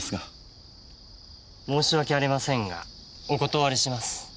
申し訳ありませんがお断りします。